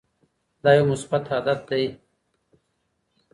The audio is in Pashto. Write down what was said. دا یو مثبت عادت دی.